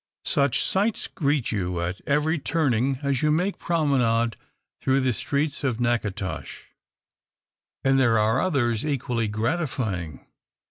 Such sights greet you at every turning as you make promenade through the streets of Natchitoches. And there are others equally gratifying.